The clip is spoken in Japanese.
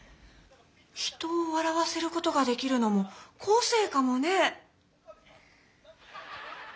人をわらわせることができるのもこせいかもね！